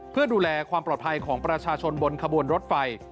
เพื่อดูแลความปลอดภัยของประชาชนบนขบวนรถไฟ